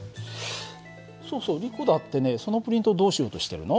そうそうリコだってねそのプリントどうしようとしてるの？